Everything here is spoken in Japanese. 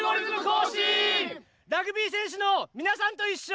ラグビー選手のみなさんといっしょ。